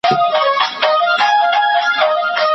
وختونه خو بدلیږي ته بدلېږې او کنه؟